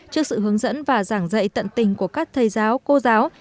trước sự hướng dẫn và giảng dạy tận tình của các thầy giáo cô giáo